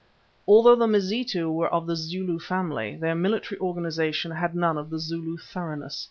Although the Mazitu were of the Zulu family, their military organization had none of the Zulu thoroughness.